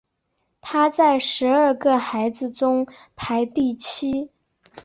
他在十二个孩子中排第七。